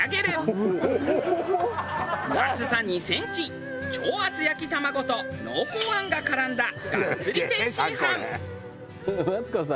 厚さ２センチ超厚焼き卵と濃厚餡が絡んだがっつり天津飯。